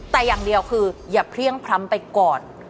แต่อย่างเดียวคืออย่าเพลี่ยงพร้ำไปก่อน